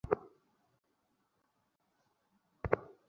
ধারণা করা হচ্ছে, মুরগি চুরি করতে গিয়ে বিদ্যুৎস্পৃষ্ট হয়ে আরিফুল মারা গেছেন।